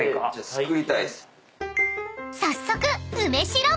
［早速］